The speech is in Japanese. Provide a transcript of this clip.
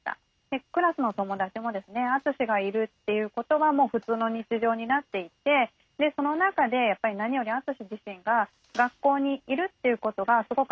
クラスの友達も篤がいるっていうことがもう普通の日常になっていってその中で何より篤自身が学校にいるっていうことがすごく安心できる。